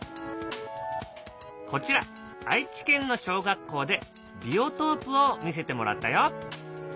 こちら愛知県の小学校でビオトープを見せてもらったよ。